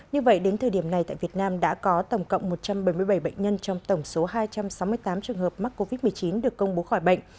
như vậy đến thời điểm này tại việt nam đã có tổng cộng một trăm bảy mươi bảy bệnh nhân trong tổng số hai trăm sáu mươi tám trường hợp mắc covid một mươi chín được công bố khỏi bệnh